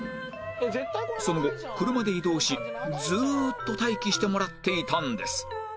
それで車で移動しずーっと待機してもらっていたんです